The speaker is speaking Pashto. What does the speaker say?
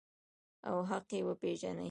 او حق یې وپیژني.